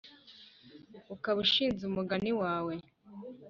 Ukaba ushinze umugani wawe